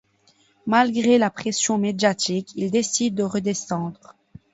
Malgré la pression médiatique, ils décident de redescendre.